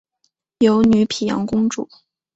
有女沘阳公主。